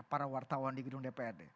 para wartawan di gedung dprd